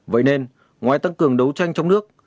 vậy nên ngoài tăng cường đấu tranh trong nước